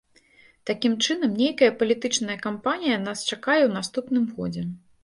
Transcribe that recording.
Такім чынам, нейкая палітычная кампанія нас чакае ў наступным годзе.